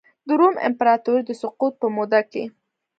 د روم امپراتورۍ د سقوط په موده کې.